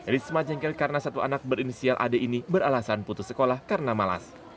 risma jengkel karena satu anak berinisial ad ini beralasan putus sekolah karena malas